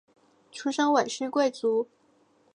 出身韦氏贵族。